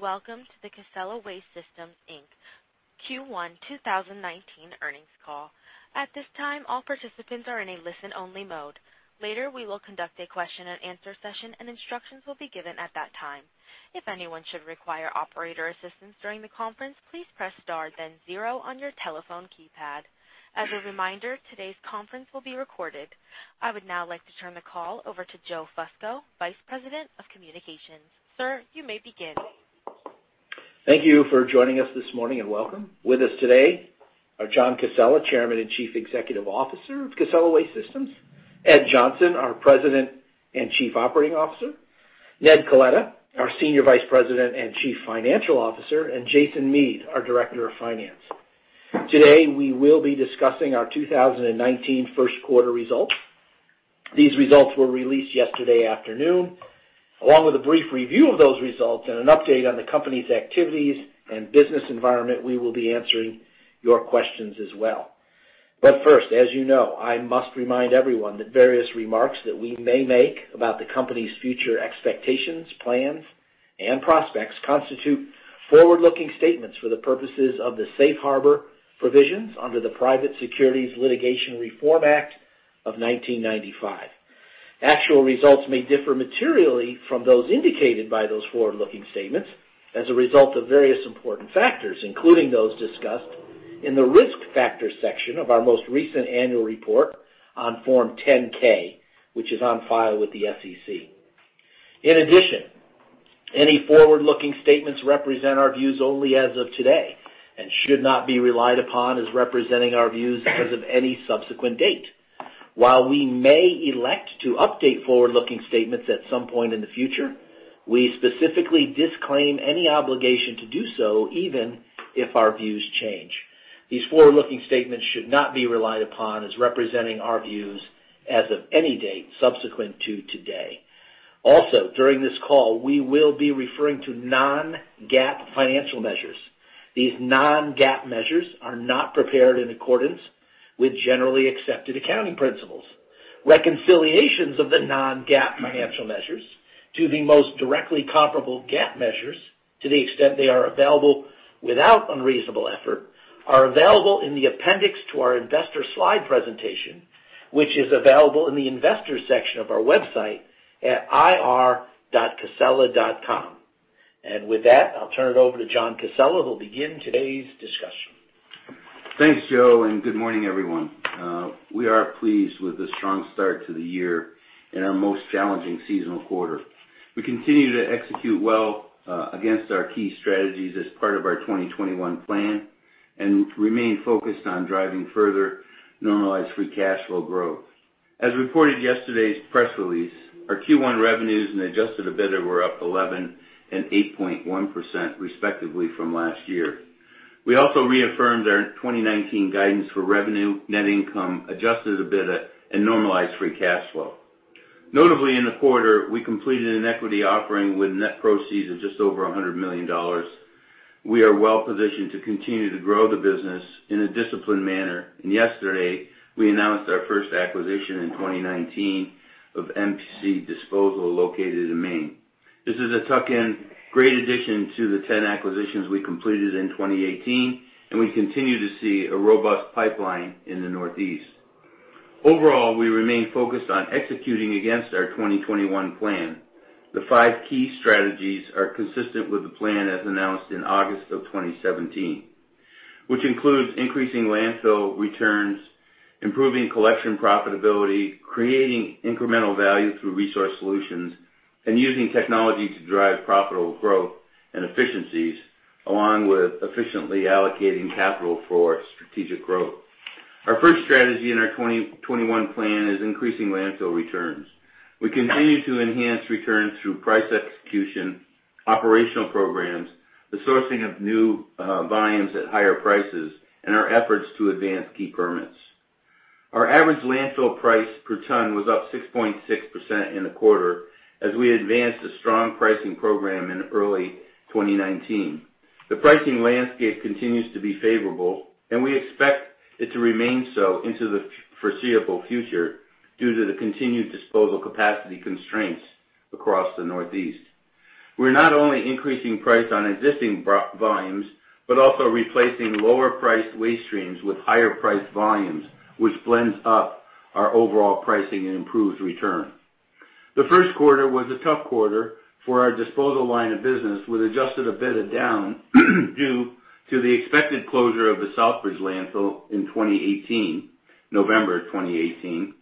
Welcome to the Casella Waste Systems, Inc. Q1 2019 earnings call. At this time, all participants are in a listen-only mode. Later, we will conduct a question-and-answer session, and instructions will be given at that time. If anyone should require operator assistance during the conference, please press star then zero on your telephone keypad. As a reminder, today's conference will be recorded. I would now like to turn the call over to Joe Fusco, Vice President of Communications. Sir, you may begin. Thank you for joining us this morning and welcome. With us today are John Casella, Chairman and Chief Executive Officer of Casella Waste Systems, Ed Johnson, our President and Chief Operating Officer, Ned Coletta, our Senior Vice President and Chief Financial Officer, and Jason Mead, our Director of Finance. Today, we will be discussing our 2019 first quarter results. These results were released yesterday afternoon. Along with a brief review of those results and an update on the company's activities and business environment, we will be answering your questions as well. First, as you know, I must remind everyone that various remarks that we may make about the company's future expectations, plans, and prospects constitute forward-looking statements for the purposes of the safe harbor provisions under the Private Securities Litigation Reform Act of 1995. Actual results may differ materially from those indicated by those forward-looking statements as a result of various important factors, including those discussed in the Risk Factors section of our most recent annual report on Form 10-K, which is on file with the SEC. In addition, any forward-looking statements represent our views only as of today and should not be relied upon as representing our views as of any subsequent date. While we may elect to update forward-looking statements at some point in the future, we specifically disclaim any obligation to do so, even if our views change. These forward-looking statements should not be relied upon as representing our views as of any date subsequent to today. Also, during this call, we will be referring to non-GAAP financial measures. These non-GAAP measures are not prepared in accordance with generally accepted accounting principles. Reconciliations of the non-GAAP financial measures to the most directly comparable GAAP measures, to the extent they are available without unreasonable effort, are available in the appendix to our investor slide presentation, which is available in the Investors section of our website at ir.casella.com. With that, I'll turn it over to John Casella, who'll begin today's discussion. Thanks, Joe, and good morning, everyone. We are pleased with the strong start to the year in our most challenging seasonal quarter. We continue to execute well against our key strategies as part of our 2021 plan and remain focused on driving further Normalized Free Cash Flow growth. As reported yesterday's press release, our Q1 revenues and Adjusted EBITDA were up 11% and 8.1%, respectively, from last year. We also reaffirmed our 2019 guidance for revenue, net income, Adjusted EBITDA, and Normalized Free Cash Flow. Notably, in the quarter, we completed an equity offering with net proceeds of just over $100 million. We are well-positioned to continue to grow the business in a disciplined manner. Yesterday, we announced our first acquisition in 2019 of MPC Disposal, located in Maine. This is a tuck-in, great addition to the 10 acquisitions we completed in 2018, and we continue to see a robust pipeline in the Northeast. Overall, we remain focused on executing against our 2021 plan. The five key strategies are consistent with the plan as announced in August of 2017, which includes increasing landfill returns, improving collection profitability, creating incremental value through resource solutions, and using technology to drive profitable growth and efficiencies, along with efficiently allocating capital for strategic growth. Our first strategy in our 2021 plan is increasing landfill returns. We continue to enhance returns through price execution, operational programs, the sourcing of new volumes at higher prices, and our efforts to advance key permits. Our average landfill price per ton was up 6.6% in the quarter as we advanced a strong pricing program in early 2019. The pricing landscape continues to be favorable, and we expect it to remain so into the foreseeable future due to the continued disposal capacity constraints across the Northeast. We're not only increasing price on existing volumes, but also replacing lower-priced waste streams with higher-priced volumes, which blends up our overall pricing and improves return. The first quarter was a tough quarter for our disposal line of business, with Adjusted EBITDA down due to the expected closure of the Southbridge landfill in November 2018,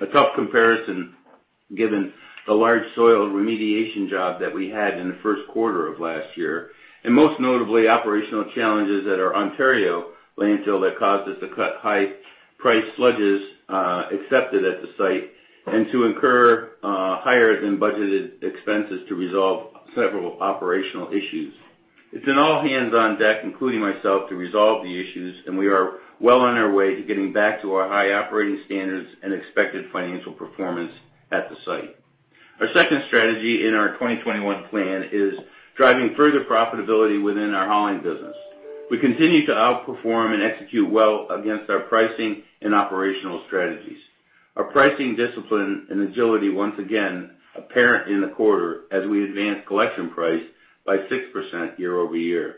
a tough comparison given the large soil remediation job that we had in the first quarter of last year, and most notably, operational challenges at our Ontario landfill that caused us to cut high-priced sludges accepted at the site and to incur higher-than-budgeted expenses to resolve several operational issues. It's an all-hands-on-deck, including myself, to resolve the issues. We are well on our way to getting back to our high operating standards and expected financial performance at the site. Our second strategy in our 2021 plan is driving further profitability within our hauling business. We continue to outperform and execute well against our pricing and operational strategies. Our pricing discipline and agility once again apparent in the quarter as we advanced collection price by 6% year-over-year.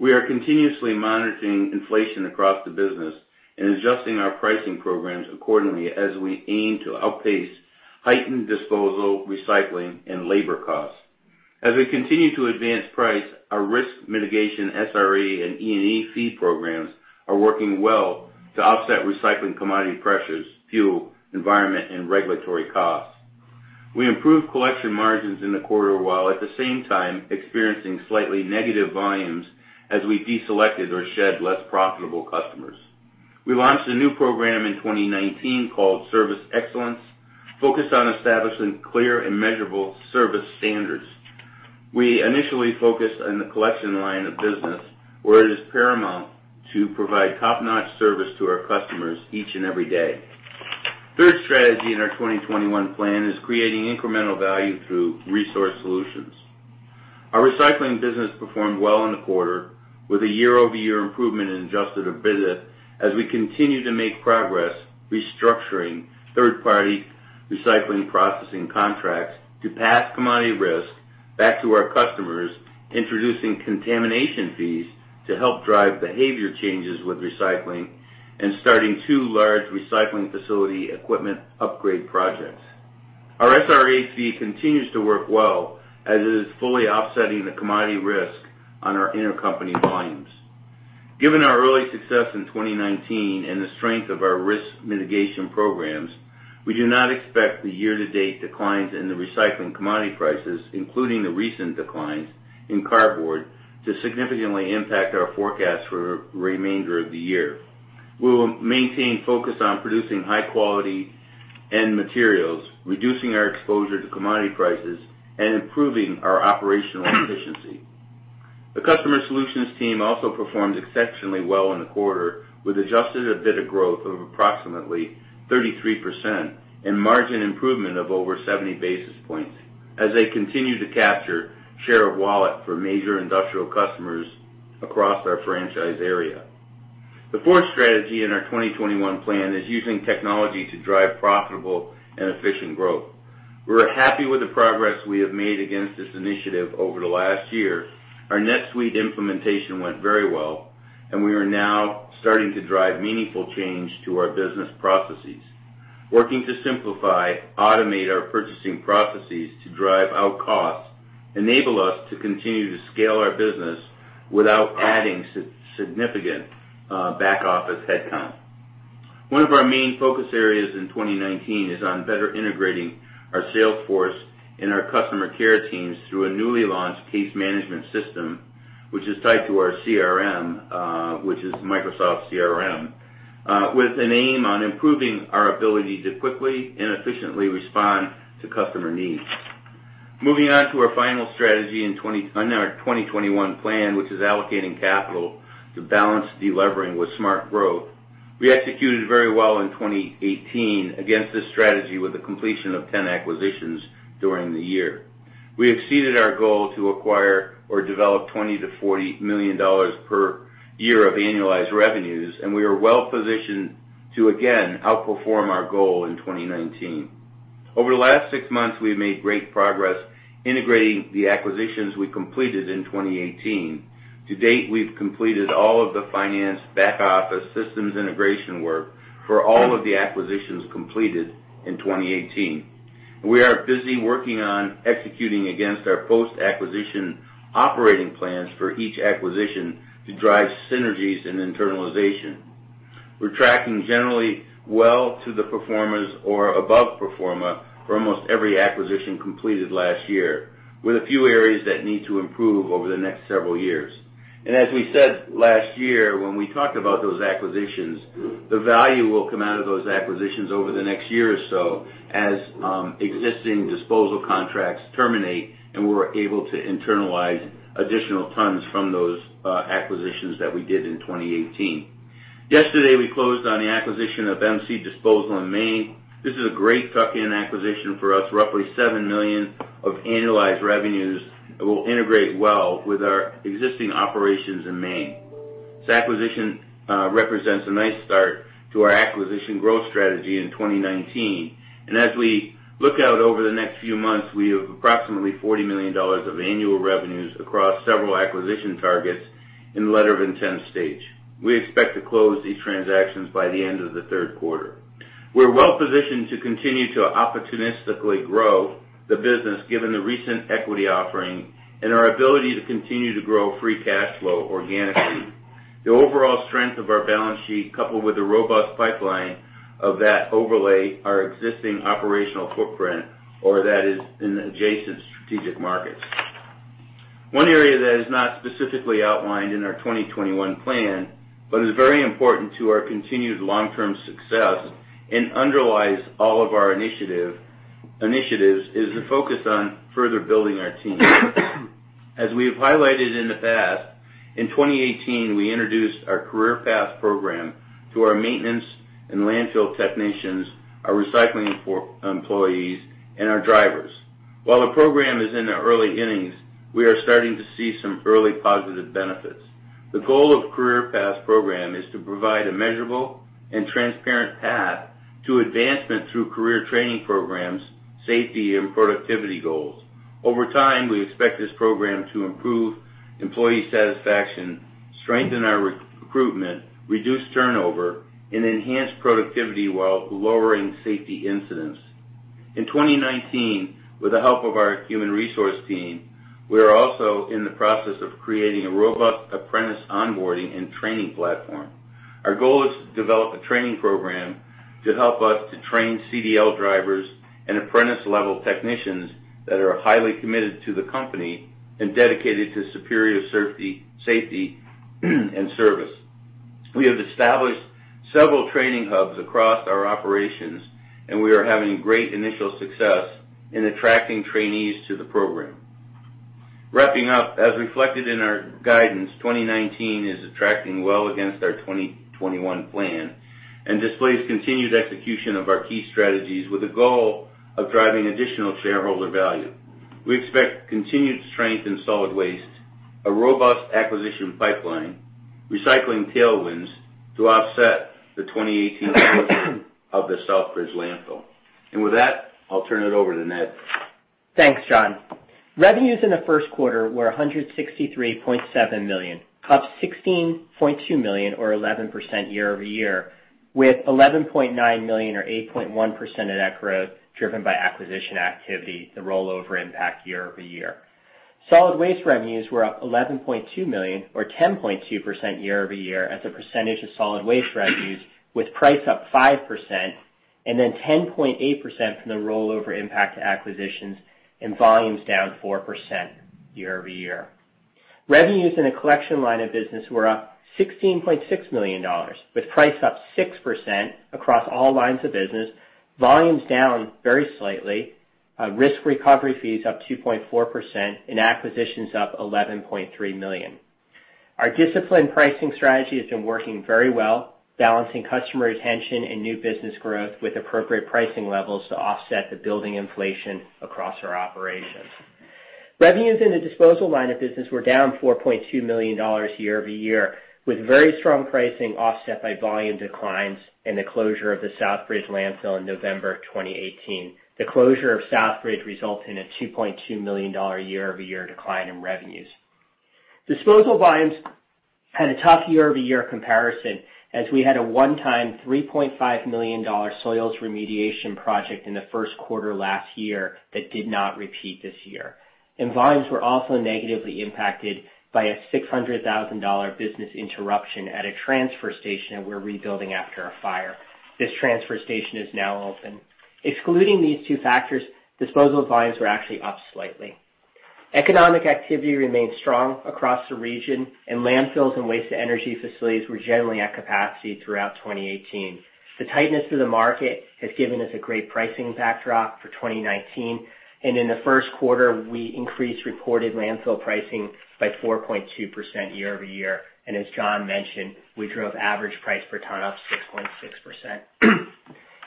We are continuously monitoring inflation across the business and adjusting our pricing programs accordingly as we aim to outpace heightened disposal, recycling, and labor costs. As we continue to advance price, our risk mitigation SRA and E&E Fee programs are working well to offset recycling commodity pressures, fuel, environment, and regulatory costs. We improved collection margins in the quarter, while at the same time experiencing slightly negative volumes as we deselected or shed less profitable customers. We launched a new program in 2019 called Service Excellence, focused on establishing clear and measurable service standards. We initially focused on the collection line of business, where it is paramount to provide top-notch service to our customers each and every day. Third strategy in our 2021 plan is creating incremental value through resource solutions. Our recycling business performed well in the quarter, with a year-over-year improvement in Adjusted EBITDA as we continue to make progress restructuring third-party recycling processing contracts to pass commodity risk back to our customers, introducing contamination fees to help drive behavior changes with recycling, and starting two large recycling facility equipment upgrade projects. Our SRA Fee continues to work well as it is fully offsetting the commodity risk on our intercompany volumes. Given our early success in 2019 and the strength of our risk mitigation programs, we do not expect the year-to-date declines in the recycling commodity prices, including the recent declines in cardboard, to significantly impact our forecast for the remainder of the year. We will maintain focus on producing high quality end materials, reducing our exposure to commodity prices, and improving our operational efficiency. The customer solutions team also performed exceptionally well in the quarter, with Adjusted EBITDA growth of approximately 33% and margin improvement of over 70 basis points as they continue to capture share of wallet for major industrial customers across our franchise area. The fourth strategy in our 2021 plan is using technology to drive profitable and efficient growth. We are happy with the progress we have made against this initiative over the last year. Our NetSuite implementation went very well, we are now starting to drive meaningful change to our business processes. Working to simplify, automate our purchasing processes to drive out costs, enable us to continue to scale our business without adding significant back office headcount. One of our main focus areas in 2019 is on better integrating our sales force and our customer care teams through a newly launched case management system, which is tied to our CRM, which is Microsoft CRM, with an aim on improving our ability to quickly and efficiently respond to customer needs. Moving on to our final strategy on our 2021 plan, which is allocating capital to balance de-levering with smart growth. We executed very well in 2018 against this strategy with the completion of 10 acquisitions during the year. We exceeded our goal to acquire or develop $20 million-$40 million per year of annualized revenues, we are well-positioned to again outperform our goal in 2019. Over the last six months, we've made great progress integrating the acquisitions we completed in 2018. To date, we've completed all of the finance back office systems integration work for all of the acquisitions completed in 2018. We are busy working on executing against our post-acquisition operating plans for each acquisition to drive synergies and internalization. We're tracking generally well to the performance or above pro forma for almost every acquisition completed last year, with a few areas that need to improve over the next several years. As we said last year when we talked about those acquisitions, the value will come out of those acquisitions over the next year or so as existing disposal contracts terminate and we're able to internalize additional tons from those acquisitions that we did in 2018. Yesterday, we closed on the acquisition of MPC Disposal in Maine. This is a great tuck-in acquisition for us, roughly $7 million of annualized revenues that will integrate well with our existing operations in Maine. This acquisition represents a nice start to our acquisition growth strategy in 2019. As we look out over the next few months, we have approximately $40 million of annual revenues across several acquisition targets in letter of intent stage. We expect to close these transactions by the end of the third quarter. We are well-positioned to continue to opportunistically grow the business given the recent equity offering and our ability to continue to grow free cash flow organically. The overall strength of our balance sheet, coupled with the robust pipeline of that overlay, our existing operational footprint, or that is in adjacent strategic markets. One area that is not specifically outlined in our 2021 plan, but is very important to our continued long-term success and underlies all of our initiatives, is the focus on further building our team. As we have highlighted in the past, in 2018, we introduced our Career Path program to our maintenance and landfill technicians, our recycling employees, and our drivers. While the program is in the early innings, we are starting to see some early positive benefits. The goal of Career Path program is to provide a measurable and transparent path to advancement through career training programs, safety, and productivity goals. Over time, we expect this program to improve employee satisfaction, strengthen our recruitment, reduce turnover, and enhance productivity while lowering safety incidents. In 2019, with the help of our human resource team, we are also in the process of creating a robust apprentice onboarding and training platform. Our goal is to develop a training program to help us to train CDL drivers and apprentice-level technicians that are highly committed to the company and dedicated to superior safety and service. We are having great initial success in attracting trainees to the program. Wrapping up, as reflected in our guidance, 2019 is attracting well against our 2021 plan and displays continued execution of our key strategies with a goal of driving additional shareholder value. We expect continued strength in solid waste, a robust acquisition pipeline, recycling tailwinds to offset the 2018 of the Southbridge landfill. With that, I'll turn it over to Ned. Thanks, John. Revenues in the first quarter were $163.7 million, up $16.2 million or 11% year-over-year, with $11.9 million or 8.1% of that growth driven by acquisition activity, the rollover impact year-over-year. Solid waste revenues were up $11.2 million or 10.2% year-over-year as a percentage of solid waste revenues with price up 5% and then 10.8% from the rollover impact to acquisitions and volumes down 4% year-over-year. Revenues in the collection line of business were up $16.6 million, with price up 6% across all lines of business, volumes down very slightly, risk recovery fees up 2.4%, and acquisitions up $11.3 million. Our disciplined pricing strategy has been working very well, balancing customer retention and new business growth with appropriate pricing levels to offset the building inflation across our operations. Revenues in the disposal line of business were down $4.2 million year-over-year, with very strong pricing offset by volume declines and the closure of the Southbridge landfill in November 2018. The closure of Southbridge resulted in a $2.2 million year-over-year decline in revenues. Disposal volumes had a tough year-over-year comparison as we had a one-time $3.5 million soils remediation project in the first quarter last year that did not repeat this year. Volumes were also negatively impacted by a $600,000 business interruption at a transfer station that we're rebuilding after a fire. This transfer station is now open. Excluding these two factors, disposal volumes were actually up slightly. Economic activity remains strong across the region, and landfills and waste-to-energy facilities were generally at capacity throughout 2018. The tightness of the market has given us a great pricing backdrop for 2019. In the first quarter, we increased reported landfill pricing by 4.2% year-over-year. As John mentioned, we drove average price per ton up 6.6%.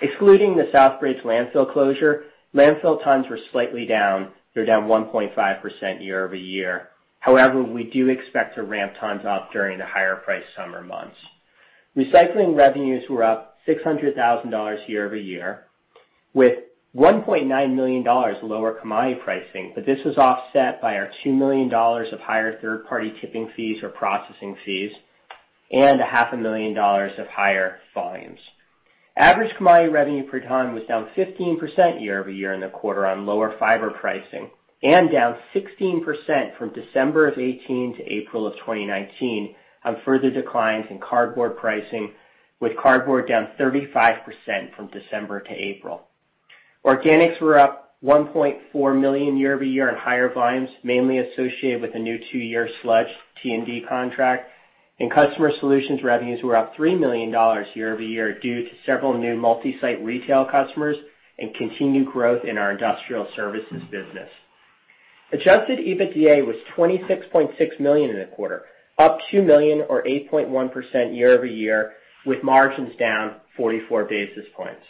Excluding the Southbridge landfill closure, landfill tons were slightly down. They're down 1.5% year-over-year. However, we do expect to ramp tons up during the higher-priced summer months. Recycling revenues were up $600,000 year-over-year, with $1.9 million lower commodity pricing. This was offset by our $2 million of higher third-party tipping fees or processing fees and a half a million dollars of higher volumes. Average commodity revenue per ton was down 15% year-over-year in the quarter on lower fiber pricing. Down 16% from December of 2018 to April of 2019 on further declines in cardboard pricing, with cardboard down 35% from December to April. Organics were up $1.4 million year-over-year on higher volumes, mainly associated with the new two-year sludge T&D contract. Customer solutions revenues were up $3 million year-over-year due to several new multi-site retail customers and continued growth in our industrial services business. Adjusted EBITDA was $26.6 million in the quarter, up $2 million or 8.1% year-over-year, with margins down 44 basis points.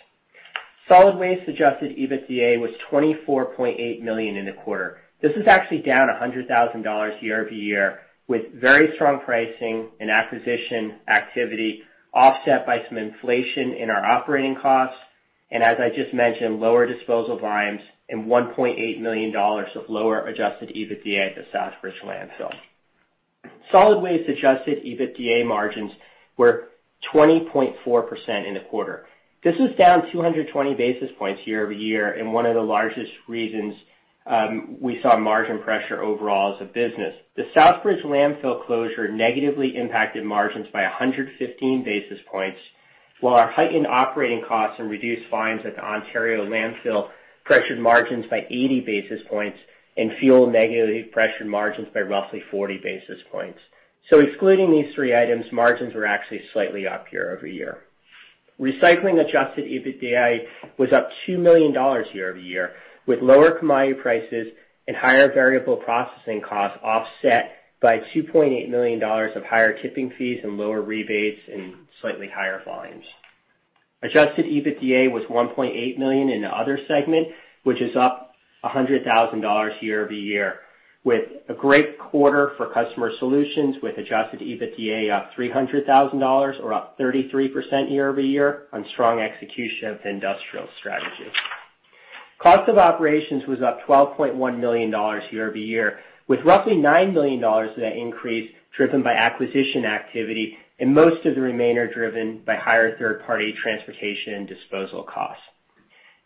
Solid waste Adjusted EBITDA was $24.8 million in the quarter. This is actually down $100,000 year-over-year, with very strong pricing and acquisition activity offset by some inflation in our operating costs. As I just mentioned, lower disposal volumes and $1.8 million of lower Adjusted EBITDA at the Southbridge landfill. Solid waste-Adjusted EBITDA margins were 20.4% in the quarter. This is down 220 basis points year-over-year. One of the largest reasons we saw margin pressure overall as a business. The Southbridge Landfill closure negatively impacted margins by 115 basis points, while our heightened operating costs and reduced fines at the Ontario Landfill pressured margins by 80 basis points and fuel negatively pressured margins by roughly 40 basis points. Excluding these three items, margins were actually slightly up year-over-year. Recycling Adjusted EBITDA was up $2 million year-over-year, with lower commodity prices and higher variable processing costs offset by $2.8 million of higher tipping fees and lower rebates and slightly higher volumes. Adjusted EBITDA was $1.8 million in the other segment, which is up $100,000 year-over-year, with a great quarter for Customer Solutions with Adjusted EBITDA up $300,000 or up 33% year-over-year on strong execution of the Industrial Strategy. Cost of Operations was up $12.1 million year-over-year, with roughly $9 million of that increase driven by acquisition activity and most of the remainder driven by higher third-party transportation and disposal costs.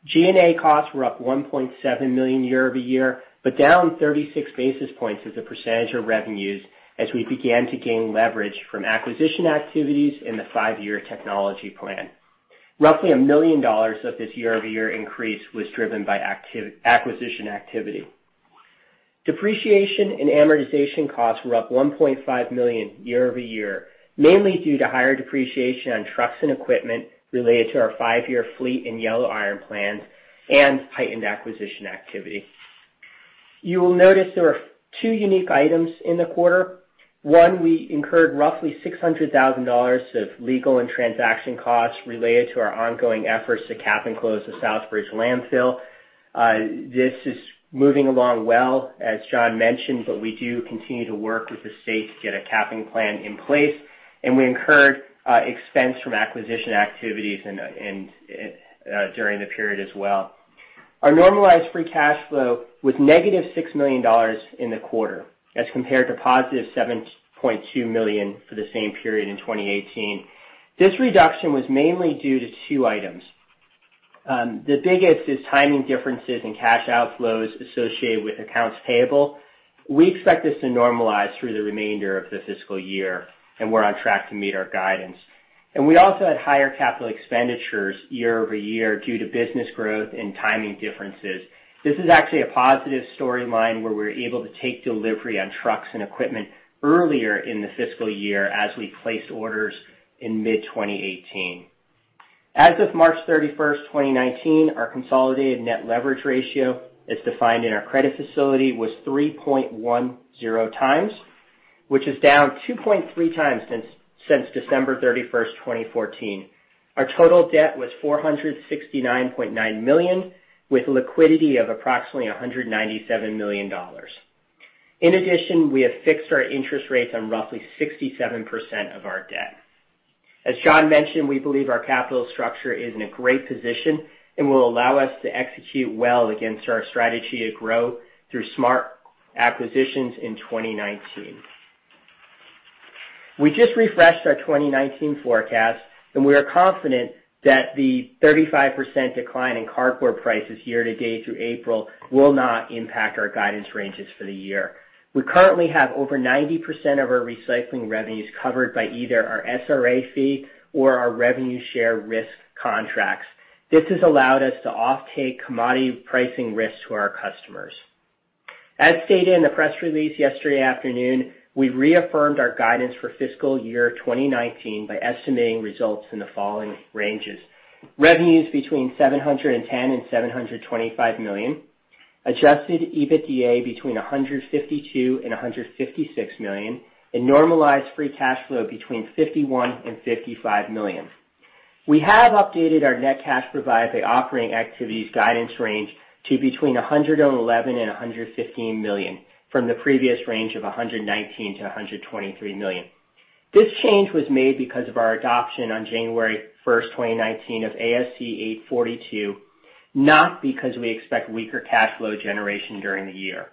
G&A costs were up $1.7 million year-over-year, down 36 basis points as a percentage of revenues as we began to gain leverage from acquisition activities in the five-year Technology Plan. Roughly $1 million of this year-over-year increase was driven by acquisition activity. Depreciation and Amortization costs were up $1.5 million year-over-year, mainly due to higher depreciation on trucks and equipment related to our five-year Fleet and Yellow Iron plans and heightened acquisition activity. You will notice there are two unique items in the quarter. We incurred roughly $600,000 of legal and transaction costs related to our ongoing efforts to cap and close the Southbridge Landfill. This is moving along well, as John mentioned, but we do continue to work with the state to get a capping plan in place, and we incurred expense from acquisition activities during the period as well. Our Normalized Free Cash Flow was negative $6 million in the quarter as compared to positive $7.2 million for the same period in 2018. This reduction was mainly due to two items. The biggest is timing differences in cash outflows associated with accounts payable. We expect this to normalize through the remainder of the fiscal year, and we're on track to meet our guidance. We also had higher capital expenditures year-over-year due to business growth and timing differences. This is actually a positive storyline where we're able to take delivery on trucks and equipment earlier in the fiscal year as we placed orders in mid-2018. As of March 31st, 2019, our consolidated net leverage ratio, as defined in our credit facility, was 3.10x, which is down 2.3x since December 31st, 2014. Our total debt was $469.9 million, with liquidity of approximately $197 million. In addition, we have fixed our interest rates on roughly 67% of our debt. As John mentioned, we believe our capital structure is in a great position and will allow us to execute well against our strategy to grow through smart acquisitions in 2019. We just refreshed our 2019 forecast, we are confident that the 35% decline in cardboard prices year-to-date through April will not impact our guidance ranges for the year. We currently have over 90% of our recycling revenues covered by either our SRA Fee or our revenue share risk contracts. This has allowed us to offtake commodity pricing risks to our customers. As stated in the press release yesterday afternoon, we reaffirmed our guidance for fiscal year 2019 by estimating results in the following ranges. Revenues between $710 million and $725 million, Adjusted EBITDA between $152 million and $156 million, and Normalized Free Cash Flow between $51 million and $55 million. We have updated our net cash provided by operating activities guidance range to between $111 million and $115 million, from the previous range of $119 million to $123 million. This change was made because of our adoption on January 1st, 2019 of ASC 842, not because we expect weaker cash flow generation during the year.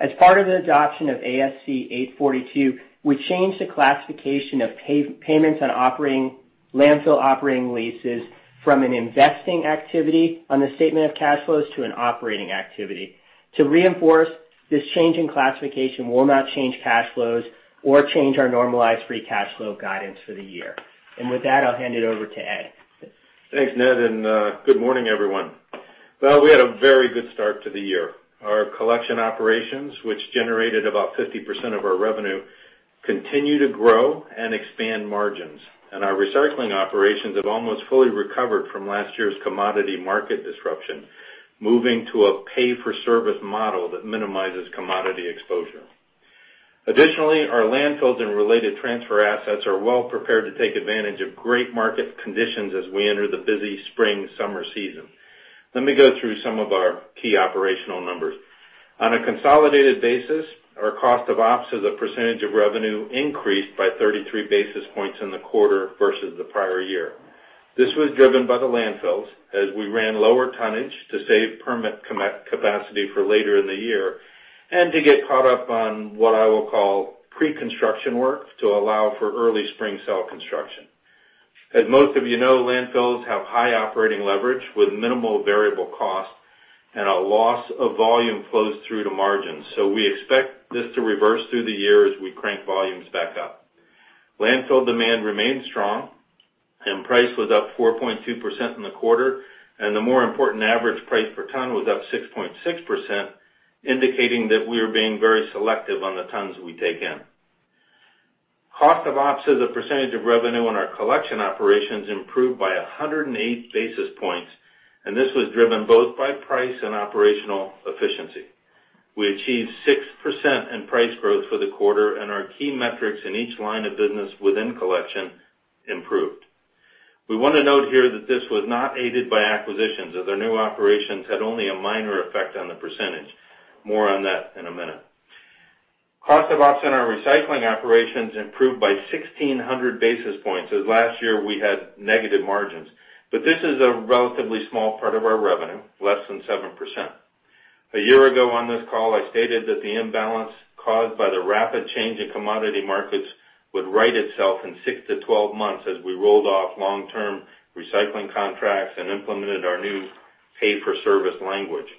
As part of the adoption of ASC 842, we changed the classification of payments on landfill operating leases from an investing activity on the statement of cash flows to an operating activity. To reinforce, this change in classification will not change cash flows or change our Normalized Free Cash Flow guidance for the year. With that, I'll hand it over to Ed. Thanks, Ned. Good morning, everyone. We had a very good start to the year. Our collection operations, which generated about 50% of our revenue, continue to grow and expand margins. Our recycling operations have almost fully recovered from last year's commodity market disruption, moving to a pay-for-service model that minimizes commodity exposure. Additionally, our landfills and related transfer assets are well prepared to take advantage of great market conditions as we enter the busy spring, summer season. Let me go through some of our key operational numbers. On a consolidated basis, our cost of ops as a percentage of revenue increased by 33 basis points in the quarter versus the prior year. This was driven by the landfills, as we ran lower tonnage to save permit capacity for later in the year and to get caught up on what I will call pre-construction work to allow for early spring cell construction. As most of you know, landfills have high operating leverage with minimal variable cost. A loss of volume flows through to margins. We expect this to reverse through the year as we crank volumes back up. Landfill demand remains strong. Price was up 4.2% in the quarter, and the more important average price per ton was up 6.6%, indicating that we are being very selective on the tons we take in. Cost of ops as a percentage of revenue on our collection operations improved by 108 basis points. This was driven both by price and operational efficiency. We achieved 6% in price growth for the quarter. Our key metrics in each line of business within collection improved. We want to note here that this was not aided by acquisitions, as their new operations had only a minor effect on the percentage. More on that in a minute. Cost of ops in our recycling operations improved by 1,600 basis points, as last year we had negative margins. This is a relatively small part of our revenue, less than 7%. A year ago on this call, I stated that the imbalance caused by the rapid change in commodity markets would right itself in 6-12 months as we rolled off long-term recycling contracts and implemented our new pay-for-service language.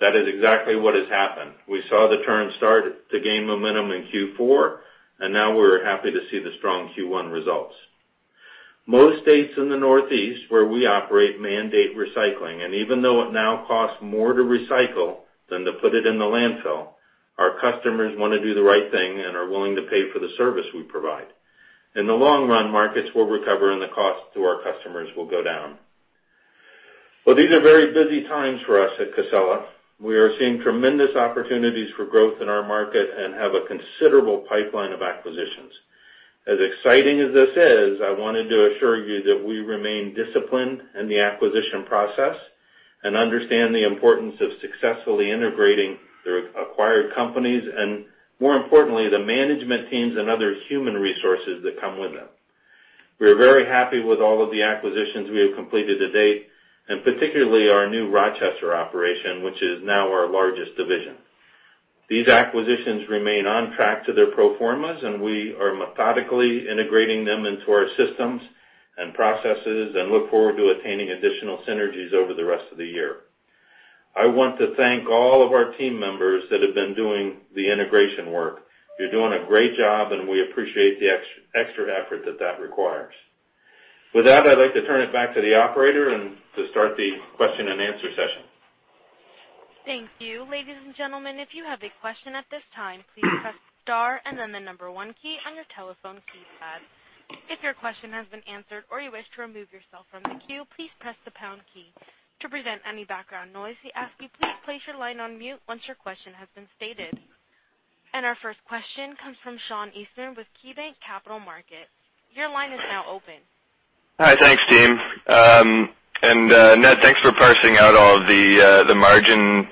That is exactly what has happened. We saw the turn start to gain momentum in Q4. Now we're happy to see the strong Q1 results. Most states in the Northeast where we operate mandate recycling, and even though it now costs more to recycle than to put it in the landfill, our customers want to do the right thing and are willing to pay for the service we provide. In the long run, markets will recover, and the cost to our customers will go down. These are very busy times for us at Casella. We are seeing tremendous opportunities for growth in our market and have a considerable pipeline of acquisitions. As exciting as this is, I wanted to assure you that we remain disciplined in the acquisition process and understand the importance of successfully integrating the acquired companies and, more importantly, the management teams and other human resources that come with them. We are very happy with all of the acquisitions we have completed to date, and particularly our new Rochester operation, which is now our largest division. These acquisitions remain on track to their pro formas. We are methodically integrating them into our systems and processes and look forward to attaining additional synergies over the rest of the year. I want to thank all of our team members that have been doing the integration work. You're doing a great job, and we appreciate the extra effort that that requires. With that, I'd like to turn it back to the operator and to start the question-and-answer session. Thank you. Ladies and gentlemen, if you have a question at this time, please press star and then the number one key on your telephone keypad. If your question has been answered or you wish to remove yourself from the queue, please press the pound key. To prevent any background noise, we ask you please place your line on mute once your question has been stated. Our first question comes from Sean Eastman with KeyBanc Capital Markets. Your line is now open. Hi. Thanks, team. Ned, thanks for parsing out all of the margin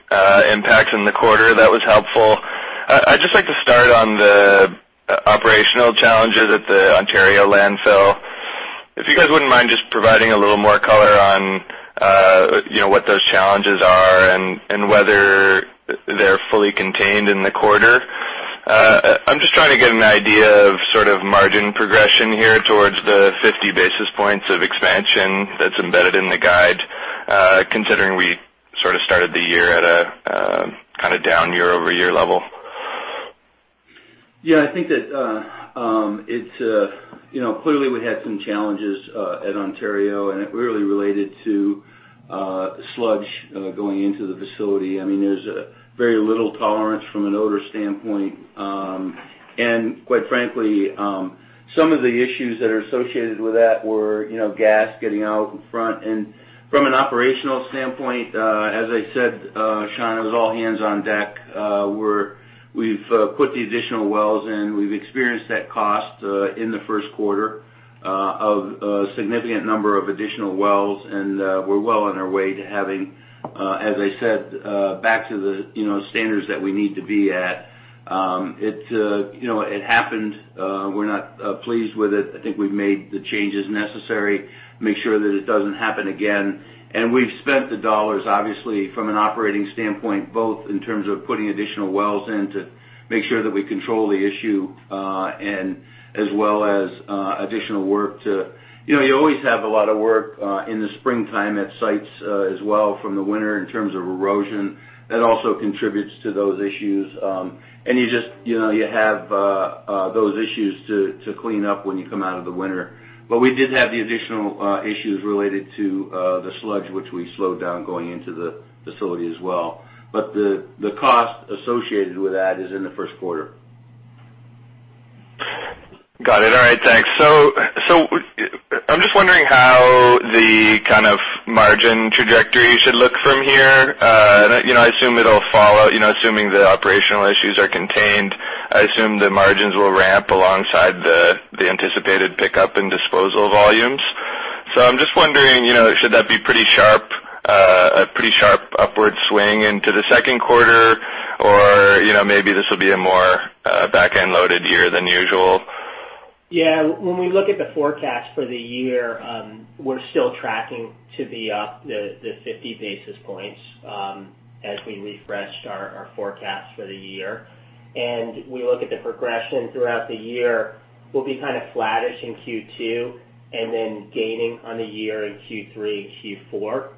impacts in the quarter. That was helpful. I'd just like to start on the operational challenges at the Ontario landfill. If you guys wouldn't mind just providing a little more color on what those challenges are and whether they're fully contained in the quarter. I'm just trying to get an idea of margin progression here towards the 50 basis points of expansion that's embedded in the guide, considering we started the year at a down year-over-year level. Yeah, I think that clearly we had some challenges at Ontario, and it really related to sludge going into the facility. There's very little tolerance from an odor standpoint. Quite frankly, some of the issues that are associated with that were gas getting out in front. From an operational standpoint, as I said, Sean, it was all hands on deck. We've put the additional wells in. We've experienced that cost in the first quarter of a significant number of additional wells, and we're well on our way to having, as I said, back to the standards that we need to be at. It happened. We're not pleased with it. I think we've made the changes necessary to make sure that it doesn't happen again. We've spent the dollars, obviously, from an operating standpoint, both in terms of putting additional wells in to make sure that we control the issue as well as additional work. You always have a lot of work in the springtime at sites as well from the winter in terms of erosion. That also contributes to those issues. You have those issues to clean up when you come out of the winter. We did have the additional issues related to the sludge, which we slowed down going into the facility as well. The cost associated with that is in the first quarter. Got it. All right. Thanks. I'm just wondering how the margin trajectory should look from here. Assuming the operational issues are contained, I assume the margins will ramp alongside the anticipated pickup in disposal volumes. I'm just wondering, should that be a pretty sharp upward swing into the second quarter? Maybe this will be a more back-end loaded year than usual? Yeah. When we look at the forecast for the year, we're still tracking to be up the 50 basis points as we refreshed our forecast for the year. We look at the progression throughout the year, we'll be kind of flattish in Q2 and then gaining on the year in Q3 and Q4.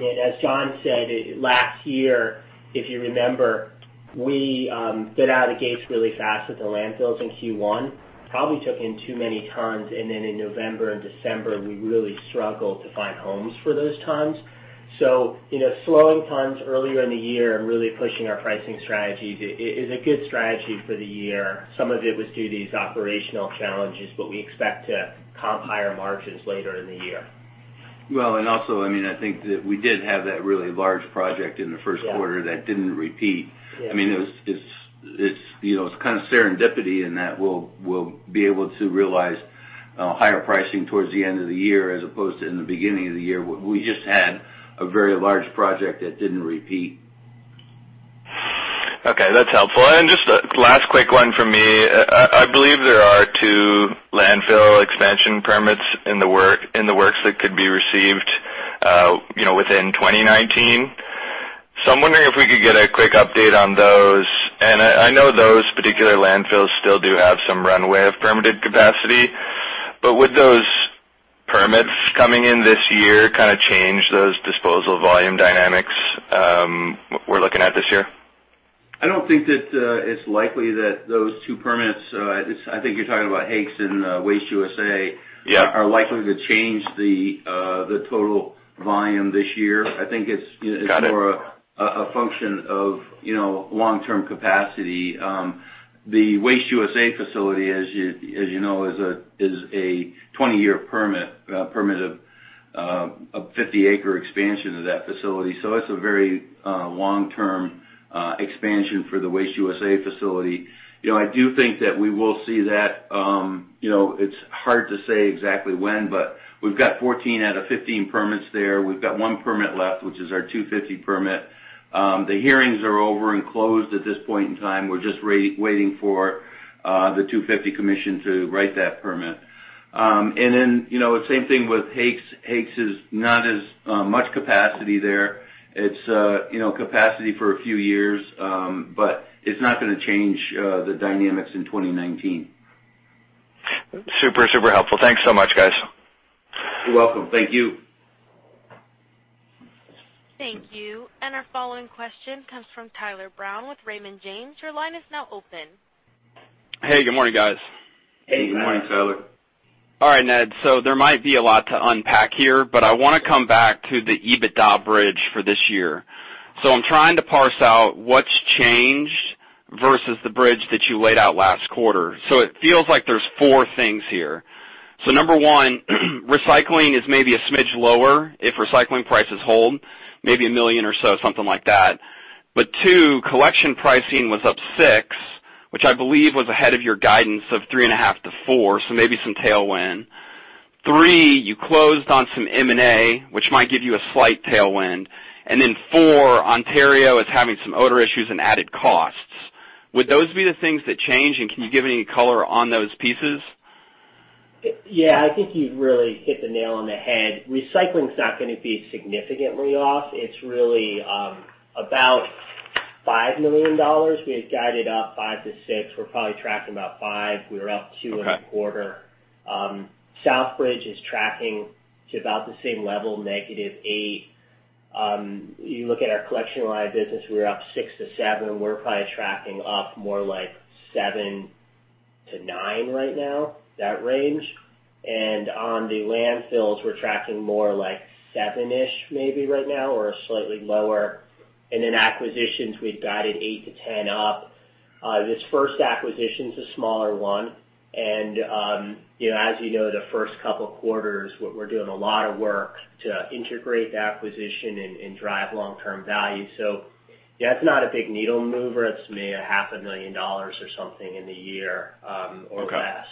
As John said, last year, if you remember, we got out of the gates really fast with the landfills in Q1, probably took in too many tons, and then in November and December, we really struggled to find homes for those tons. Slowing tons earlier in the year and really pushing our pricing strategy is a good strategy for the year. Some of it was due to these operational challenges, but we expect to comp higher margins later in the year. Well, I think that we did have that really large project in the first quarter that didn't repeat. Yeah. It's kind of serendipity in that we'll be able to realize higher pricing towards the end of the year, as opposed to in the beginning of the year. We just had a very large project that didn't repeat. That's helpful. Last quick one from me. I believe there are two landfill expansion permits in the works that could be received within 2019. I'm wondering if we could get a quick update on those. I know those particular landfills still do have some runway of permitted capacity, but would those permits coming in this year kind of change those disposal volume dynamics we're looking at this year? I don't think that it's likely that those two permits, I think you're talking about Hakes and Waste USA. Yeah are likely to change the total volume this year. Got it more a function of long-term capacity. The Waste USA facility, as you know, is a 20-year permit, a permit of 50-acre expansion of that facility. It's a very long-term expansion for the Waste USA facility. I do think that we will see that. It's hard to say exactly when, we've got 14 out of 15 permits there. We've got one permit left, which is our 250 Permit. The hearings are over and closed at this point in time. We're just waiting for the 250 Commission to write that permit. Same thing with Hakes. Hakes is not as much capacity there. It's capacity for a few years, it's not going to change the dynamics in 2019. Super helpful. Thanks so much, guys. You're welcome. Thank you. Thank you. Our following question comes from Tyler Brown with Raymond James. Your line is now open. Hey, good morning, guys. Hey, good morning, Tyler. Ned, there might be a lot to unpack here, I want to come back to the EBITDA bridge for this year. I'm trying to parse out what's changed versus the bridge that you laid out last quarter. It feels like there's four things here. Number one, recycling is maybe a smidge lower if recycling prices hold, maybe a million or so, something like that. Two, collection pricing was up 6%, which I believe was ahead of your guidance of 3.5%-4%, maybe some tailwind. Three, you closed on some M&A, which might give you a slight tailwind. Four, Ontario is having some odor issues and added costs. Would those be the things that change, and can you give any color on those pieces? Yeah, I think you've really hit the nail on the head. Recycling's not going to be significantly off. It's really about $5 million. We had guided up 5%-6%. We're probably tracking about 5%. We were up 2.25%. Southbridge is tracking to about the same level, negative 8%. You look at our collection line business, we were up 6%-7%. We're probably tracking up more like 7%-9% right now, that range. On the landfills, we're tracking more like 7%-ish maybe right now, or slightly lower. In acquisitions, we've guided 8%-10% up. This first acquisition's a smaller one. As you know, the first couple of quarters, what we're doing a lot of work to integrate the acquisition and drive long-term value. Yeah, it's not a big needle mover. It's maybe a half a million dollars or something in the year or less.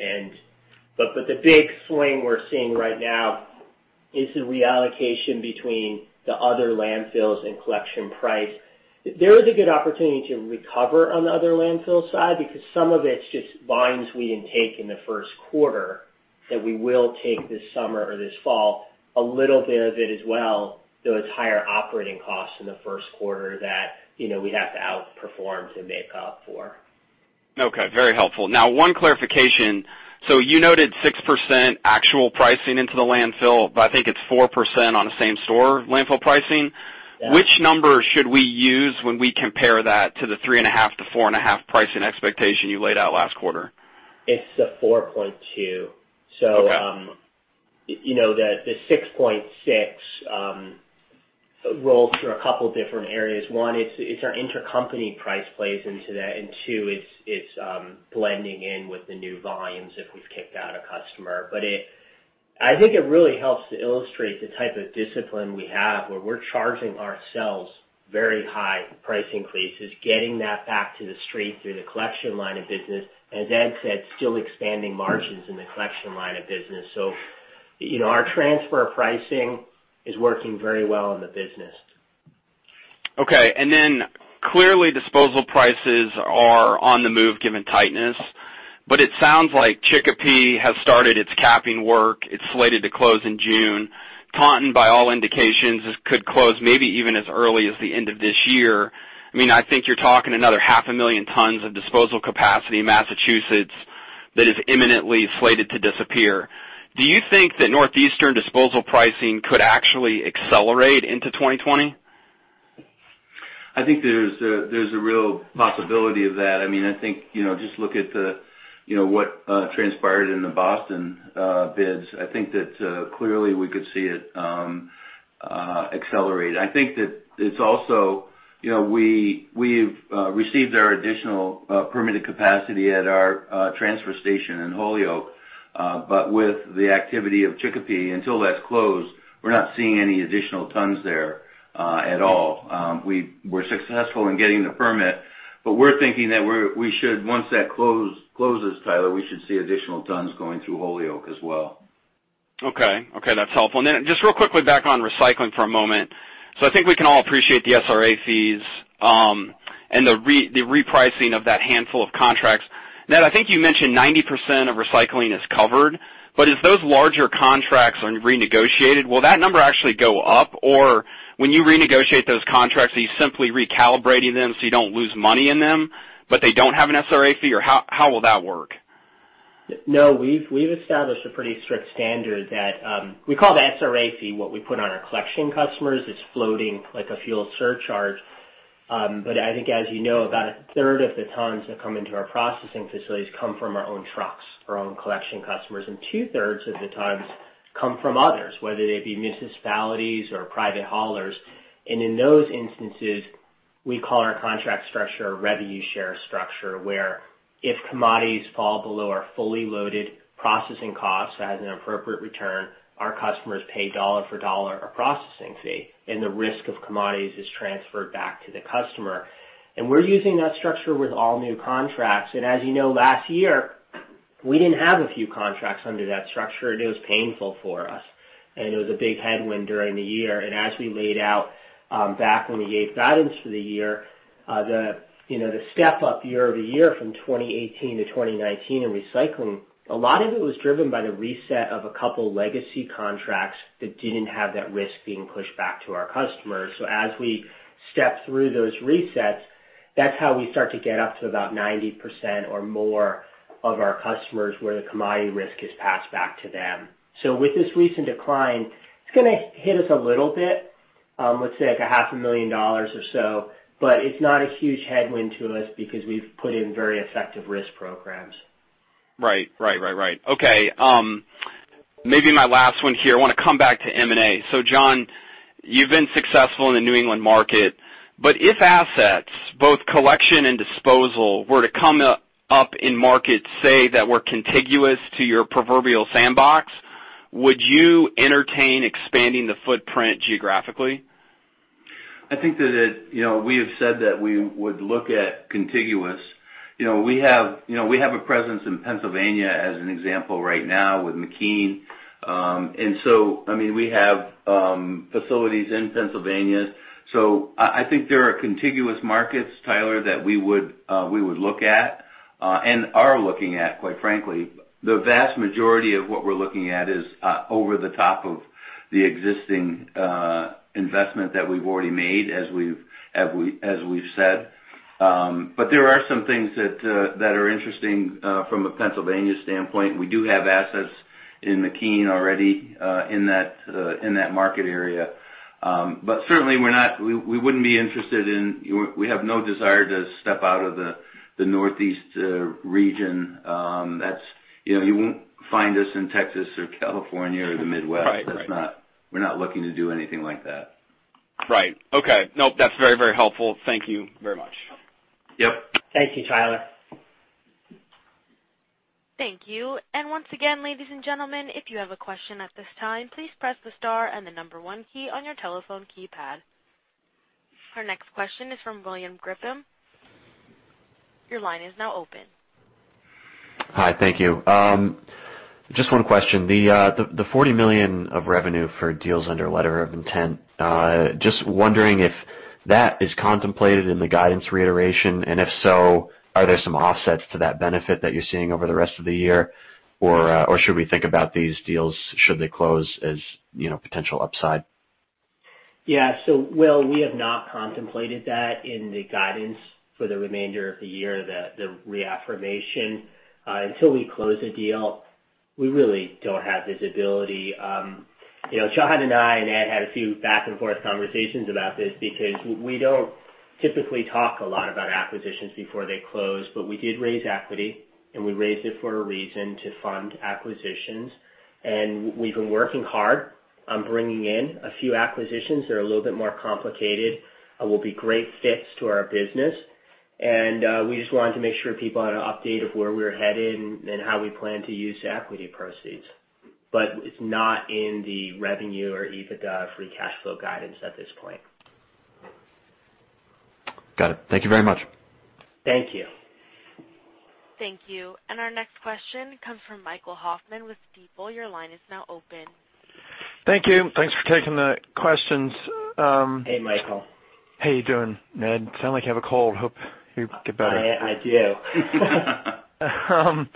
Okay. The big swing we're seeing right now is the reallocation between the other landfills and collection price. There is a good opportunity to recover on the other landfill side, because some of it's just volumes we didn't take in the first quarter that we will take this summer or this fall. A little bit of it as well, those higher operating costs in the first quarter that we have to outperform to make up for. Okay. Very helpful. You noted 6% actual pricing into the landfill, but I think it is 4% on a same store landfill pricing. Yeah. Which number should we use when we compare that to the 3.5%-4.5% Pricing expectation you laid out last quarter? It's the 4.2%. Okay. The 6.6% rolls through a couple of different areas. One, it's our intercompany price plays into that, and two, it's blending in with the new volumes if we have kicked out a customer. I think it really helps to illustrate the type of discipline we have, where we are charging ourselves very high price increases, getting that back to the street through the collection line of business, and as Ed said, still expanding margins in the collection line of business. Our transfer pricing is working very well in the business. Okay. Clearly disposal prices are on the move given tightness, but it sounds like Chicopee has started its capping work. It is slated to close in June. Taunton, by all indications, could close maybe even as early as the end of this year. I think you are talking another 500,000 tons of disposal capacity in Massachusetts that is imminently slated to disappear. Do you think that northeastern disposal pricing could actually accelerate into 2020? I think there's a real possibility of that. I think just look at what transpired in the Boston bids. I think that clearly we could see it accelerate. I think that it's also, we've received our additional permitted capacity at our transfer station in Holyoke. With the activity of Chicopee, until that's closed, we're not seeing any additional tons there at all. We were successful in getting the permit, but we're thinking that we should, once that closes, Tyler, we should see additional tons going through Holyoke as well. Okay. That's helpful. Just real quickly back on recycling for a moment. I think we can all appreciate the SRA fees, and the repricing of that handful of contracts. Ned, I think you mentioned 90% of recycling is covered, as those larger contracts are renegotiated, will that number actually go up? When you renegotiate those contracts, are you simply recalibrating them so you don't lose money in them, but they don't have an SRA fee? How will that work? No, we've established a pretty strict standard that, we call it the SRA fee, what we put on our collection customers. It's floating like a fuel surcharge. I think as you know, about a third of the tons that come into our processing facilities come from our own trucks, our own collection customers, and two-thirds of the tons come from others, whether they be municipalities or private haulers. In those instances, we call our contract structure a revenue share structure, where if commodities fall below our fully loaded processing cost, so as an appropriate return, our customers pay dollar for dollar a processing fee, and the risk of commodities is transferred back to the customer. We're using that structure with all new contracts. As you know, last year, we didn't have a few contracts under that structure, and it was painful for us. It was a big headwind during the year. As we laid out, back when we gave guidance for the year, the step-up year-over-year from 2018 to 2019 in recycling, a lot of it was driven by the reset of a couple legacy contracts that didn't have that risk being pushed back to our customers. As we step through those resets, that's how we start to get up to about 90% or more of our customers where the commodity risk is passed back to them. With this recent decline, it's going to hit us a little bit, let's say like a half a million dollars or so, but it's not a huge headwind to us because we've put in very effective risk programs. Right. Okay. Maybe my last one here. I want to come back to M&A. John, you've been successful in the New England market, but if assets, both collection and disposal, were to come up in markets, say, that were contiguous to your proverbial sandbox, would you entertain expanding the footprint geographically? I think that we have said that we would look at contiguous. We have a presence in Pennsylvania as an example right now with McKean. We have facilities in Pennsylvania. I think there are contiguous markets, Tyler, that we would look at, and are looking at, quite frankly. The vast majority of what we're looking at is over the top of the existing investment that we've already made as we've said. There are some things that are interesting from a Pennsylvania standpoint. We do have assets in McKean already in that market area. Certainly, we have no desire to step out of the Northeast region. You won't find us in Texas or California or the Midwest. Right. We're not looking to do anything like that. Right. Okay. Nope. That's very, very helpful. Thank you very much. Yep. Thank you, Tyler. Thank you. Once again, ladies and gentlemen, if you have a question at this time, please press the star and the number one key on your telephone keypad. Our next question is from William Griffin. Your line is now open. Hi. Thank you. Just one question. The $40 million of revenue for deals under letter of intent, just wondering if that is contemplated in the guidance reiteration, if so, are there some offsets to that benefit that you're seeing over the rest of the year? Should we think about these deals, should they close, as potential upside? Will, we have not contemplated that in the guidance for the remainder of the year, the reaffirmation. Until we close a deal, we really don't have visibility. John and I and Ed had a few back-and-forth conversations about this because we don't typically talk a lot about acquisitions before they close, we did raise equity, and we raised it for a reason, to fund acquisitions. We've been working hard on bringing in a few acquisitions that are a little bit more complicated and will be great fits to our business. We just wanted to make sure people had an update of where we're headed and how we plan to use equity proceeds. It's not in the revenue or EBITDA free cash flow guidance at this point. Got it. Thank you very much. Thank you. Thank you. Our next question comes from Michael Hoffman with Stifel. Your line is now open. Thank you. Thanks for taking the questions. Hey, Michael. How are you doing, Ned? Sound like you have a cold. Hope you get better. I do.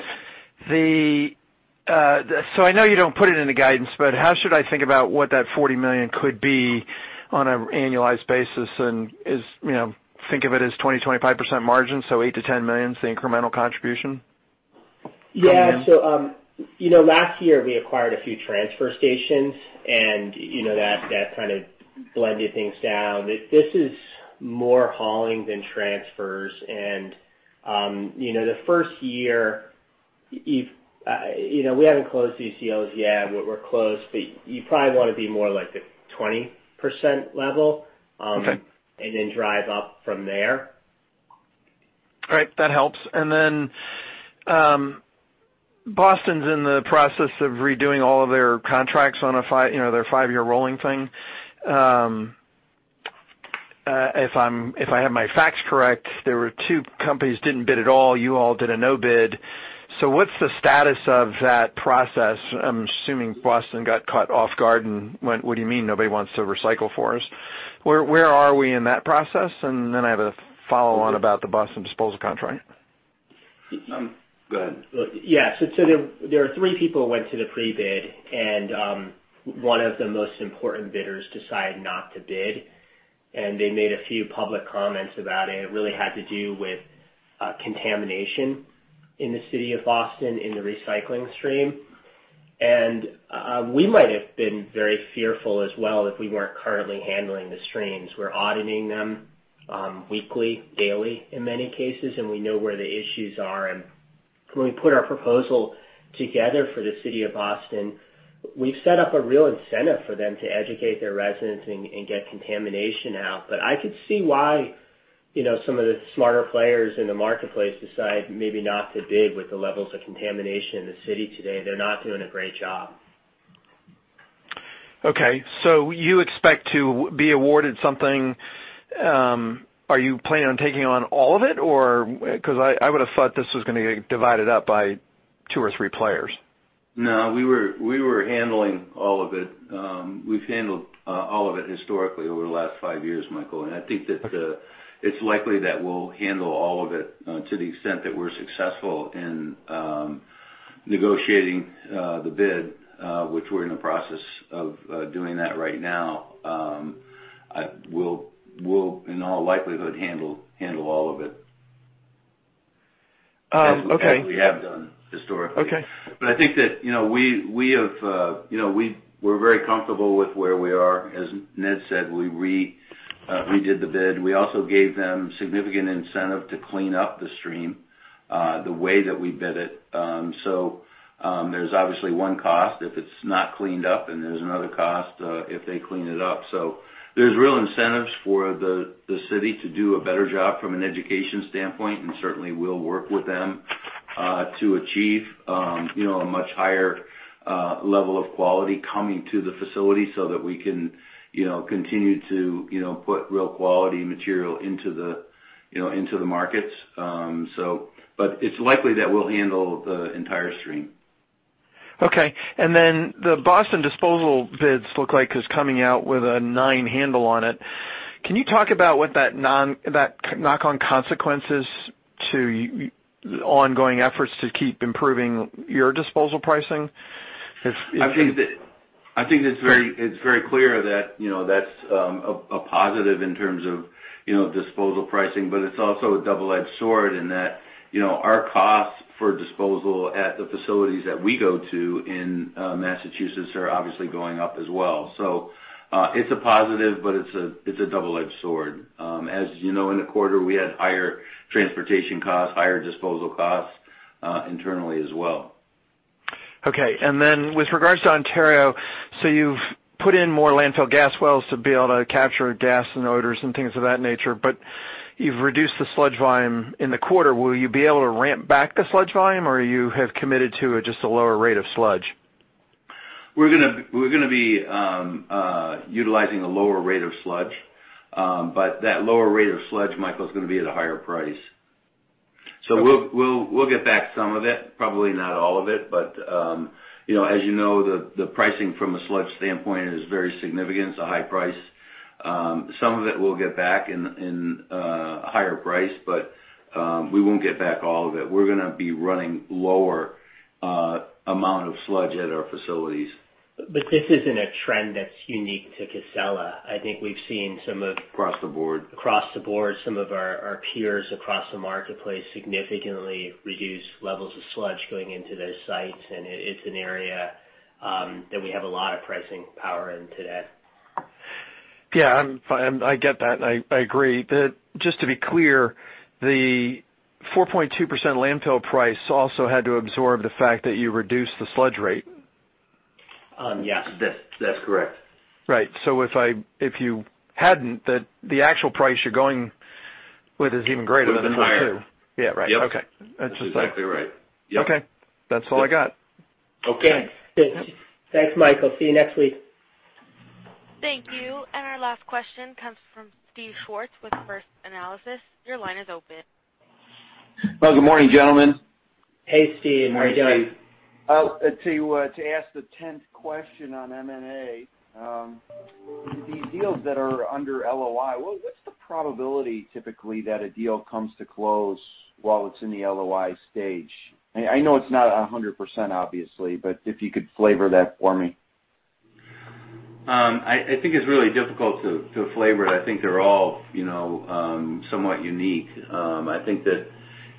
I know you don't put it in the guidance, but how should I think about what that $40 million could be on an annualized basis, and think of it as 20%-25% margin, $8 million-$10 million is the incremental contribution? Yeah. Last year we acquired a few transfer stations and that kind of blended things down. This is more hauling than transfers. We haven't closed these deals yet. We're close, but you probably want to be more like the 20% level- Okay Drive up from there. Right. That helps. Boston's in the process of redoing all of their contracts on their five-year rolling thing. If I have my facts correct, there were two companies didn't bid at all. You all did a no bid. What's the status of that process? I'm assuming Boston got caught off guard and went, "What do you mean nobody wants to recycle for us?" Where are we in that process? I have a follow on about the Boston disposal contract. Go ahead. Yeah. There are three people who went to the pre-bid, and one of the most important bidders decided not to bid, and they made a few public comments about it. It really had to do with contamination in the city of Boston in the recycling stream. We might have been very fearful as well if we weren't currently handling the streams. We're auditing them weekly, daily in many cases, and we know where the issues are, and when we put our proposal together for the city of Boston, we've set up a real incentive for them to educate their residents and get contamination out. I could see why some of the smarter players in the marketplace decide maybe not to bid with the levels of contamination in the city today. They're not doing a great job. Okay, you expect to be awarded something. Are you planning on taking on all of it, or Because I would've thought this was going to get divided up by two or three players? No, we were handling all of it. We've handled all of it historically over the last five years, Michael, and I think that it's likely that we'll handle all of it to the extent that we're successful in negotiating the bid, which we're in the process of doing that right now. We'll, in all likelihood, handle all of it. Okay. As we have done historically. Okay. I think that we're very comfortable with where we are. As Ned said, we redid the bid. We also gave them significant incentive to clean up the stream, the way that we bid it. There's obviously one cost if it's not cleaned up, and there's another cost if they clean it up. There's real incentives for the city to do a better job from an education standpoint, and certainly we'll work with them to achieve a much higher level of quality coming to the facility so that we can continue to put real quality material into the markets. It's likely that we'll handle the entire stream. Okay. The Boston disposal bids look like is coming out with a nine handle on it. Can you talk about what that knock-on consequence is to ongoing efforts to keep improving your disposal pricing? I think it's very clear that's a positive in terms of disposal pricing. It's also a double-edged sword in that our costs for disposal at the facilities that we go to in Massachusetts are obviously going up as well. It's a positive, but it's a double-edged sword. As you know, in the quarter, we had higher transportation costs, higher disposal costs internally as well. Okay. With regards to Ontario, you've put in more landfill gas wells to be able to capture gas and odors and things of that nature, you've reduced the sludge volume in the quarter. Will you be able to ramp back the sludge volume, or you have committed to just a lower rate of sludge? We're going to be utilizing a lower rate of sludge. That lower rate of sludge, Michael, is going to be at a higher price. We'll get back some of it, probably not all of it. As you know, the pricing from a sludge standpoint is very significant. It's a high price. Some of it we'll get back in a higher price, we won't get back all of it. We're going to be running lower amount of sludge at our facilities. This isn't a trend that's unique to Casella. Across the board across the board, some of our peers across the marketplace significantly reduce levels of sludge going into those sites, and it's an area that we have a lot of pricing power into that. Yeah. I get that, and I agree. Just to be clear, the 4.2% landfill price also had to absorb the fact that you reduced the sludge rate. Yes. That's correct. Right. If you hadn't, the actual price you're going with is even greater than the 4.2%. Would've been higher. Yeah. Right. Okay. Yep. That's just like. That's exactly right. Yep. Okay. That's all I got. Okay. Thanks, Mike. I'll see you next week. Thank you. Our last question comes from Steve Schwartz with First Analysis. Your line is open. Well, good morning, gentlemen. Hey, Steve. How are you doing? To ask the 10th question on M&A, the deals that are under LOI, what's the probability typically that a deal comes to close while it's in the LOI stage? I know it's not 100%, obviously, but if you could flavor that for me. I think it's really difficult to flavor it. I think they're all somewhat unique. I think that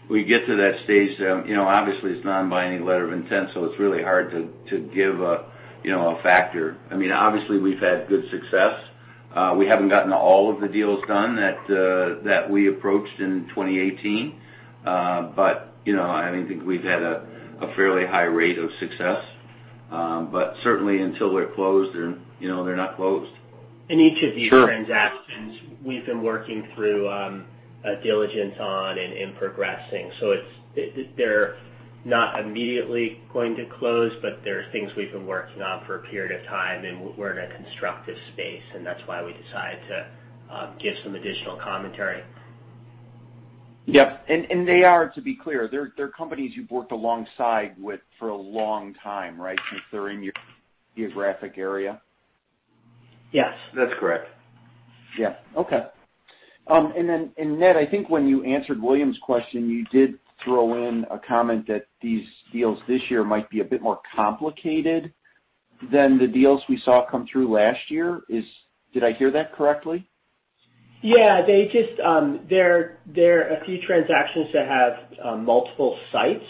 we get to that stage, obviously it's not binding letter of intent. It's really hard to give a factor. Obviously, we've had good success. We haven't gotten all of the deals done that we approached in 2018. I think we've had a fairly high rate of success. Certainly, until they're closed, they're not closed. Each of these transactions they're not immediately going to close, but they're things we've been working on for a period of time, and we're in a constructive space, and that's why we decided to give some additional commentary. Yep. They are, to be clear, they're companies you've worked alongside with for a long time, right? Since they're in your geographic area. Yes. That's correct. Yeah. Okay. Ned, I think when you answered William's question, you did throw in a comment that these deals this year might be a bit more complicated than the deals we saw come through last year. Did I hear that correctly? Yeah. There are a few transactions that have multiple sites,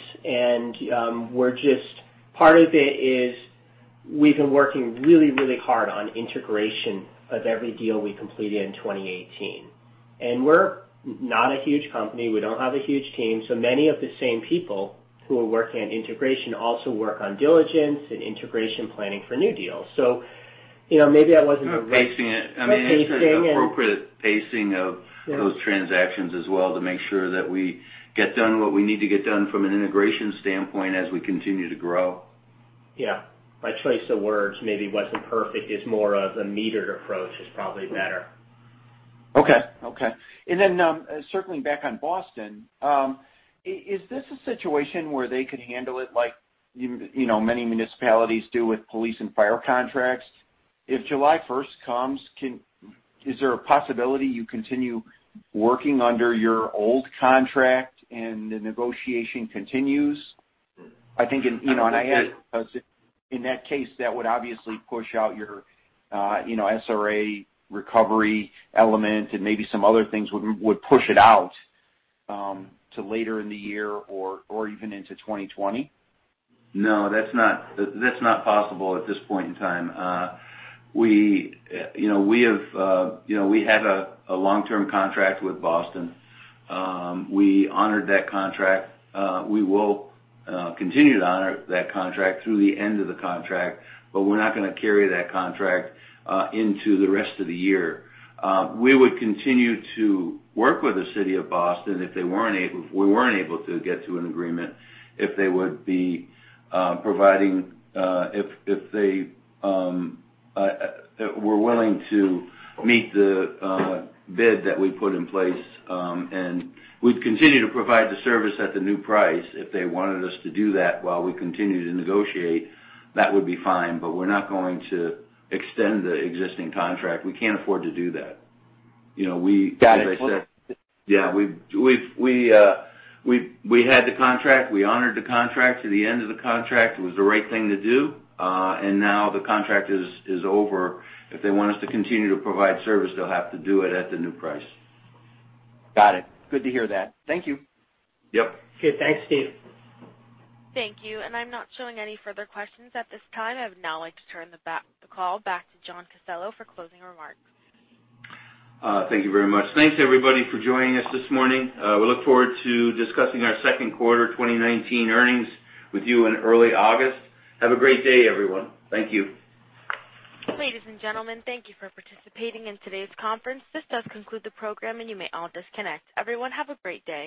part of it is we've been working really, really hard on integration of every deal we completed in 2018. We're not a huge company. We don't have a huge team, many of the same people who are working on integration also work on diligence and integration planning for new deals. Maybe that wasn't the right- Pacing it. Pacing and- I mean, it's an appropriate pacing of- Yes those transactions as well to make sure that we get done what we need to get done from an integration standpoint as we continue to grow. Yeah. My choice of words maybe wasn't perfect, is more of a metered approach is probably better. Okay. Then, circling back on Boston, is this a situation where they could handle it like many municipalities do with police and fire contracts? If July 1st comes, is there a possibility you continue working under your old contract and the negotiation continues? I don't think- In that case, that would obviously push out your SRA recovery element and maybe some other things would push it out to later in the year or even into 2020. That's not possible at this point in time. We had a long-term contract with Boston. We honored that contract. We will continue to honor that contract through the end of the contract. We're not going to carry that contract into the rest of the year. We would continue to work with the city of Boston if we weren't able to get to an agreement, if they were willing to meet the bid that we put in place. We'd continue to provide the service at the new price if they wanted us to do that while we continue to negotiate. That would be fine. We're not going to extend the existing contract. We can't afford to do that. Got it. Yeah. We had the contract, we honored the contract to the end of the contract. It was the right thing to do. Now the contract is over. If they want us to continue to provide service, they'll have to do it at the new price. Got it. Good to hear that. Thank you. Yep. Okay. Thanks, Steve. Thank you. I'm not showing any further questions at this time. I would now like to turn the call back to John Casella for closing remarks. Thank you very much. Thanks everybody for joining us this morning. We look forward to discussing our second quarter 2019 earnings with you in early August. Have a great day, everyone. Thank you. Ladies and gentlemen, thank you for participating in today's conference. This does conclude the program, and you may all disconnect. Everyone, have a great day.